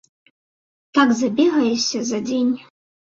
Так забегаешся за дзень.